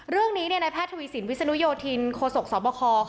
เรื่องนี้ในแพทย์ทวีสินวิสนุโยธินโคศกสบคค่ะ